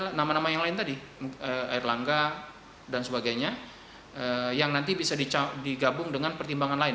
jika dititipkan nama nama yang lain tadi seperti erlangga dan sebagainya yang nanti bisa digabung dengan pertimbangan lain